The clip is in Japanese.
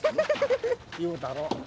言うたろ。